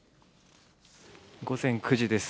午前９時です。